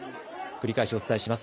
繰り返しお伝えします。